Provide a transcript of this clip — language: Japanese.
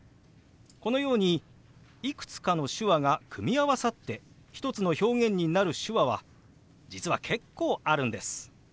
このようにいくつかの手話が組み合わさって一つの表現になる手話は実は結構あるんです。